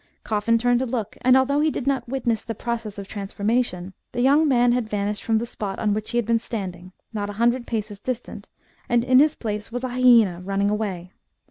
Coffin turned to look, and although he did not witness the process of transformation, the young man had vanished from the spot on which he had been standing, not a hundred paces distant, and in his place was a hyaena running away.